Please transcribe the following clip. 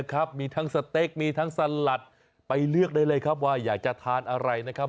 ครับมีทั้งสเต็กมีทั้งสลัดไปเลือกได้เลยครับว่าอยากจะทานอะไรนะครับ